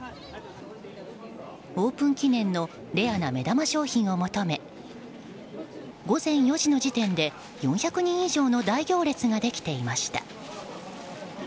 オープン記念のレアな目玉商品を求め午前４時の時点で４００人以上の大行列ができていました。